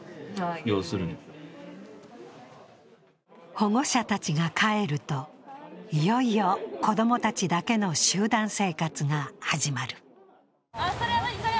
保護者たちが帰ると、いよいよ子供たちだけの集団生活が始まる。